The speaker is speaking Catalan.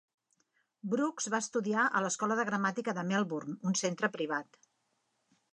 Brookes va estudiar a l'Escola de Gramàtica de Melbourne, un centre privat.